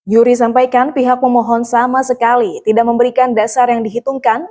yuri sampaikan pihak memohon sama sekali tidak memberikan dasar yang dihitungkan